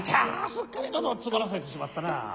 すっかりのどをつまらせてしまったな。